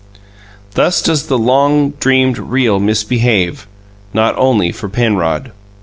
Thus does the long dreamed Real misbehave not only for Penrod!